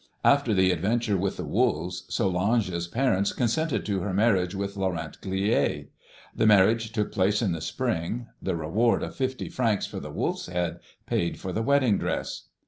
After the adventure with the wolves, Solange's parents consented to her marriage with Laurent Grillet. The marriage took place in the spring. The reward of fifty francs for the wolf's head paid for the wedding dress."